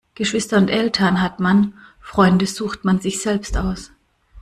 Geschwister und Eltern hat man, Freunde sucht man sich selbst aus.